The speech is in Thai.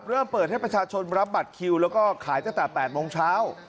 เริ่มเปิดให้ประชาชนรับบัตรคิวแล้วก็ขายตั้งแต่๘โมงเช้า